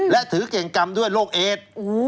และถือเก่งกรรมด้วยโรคเอด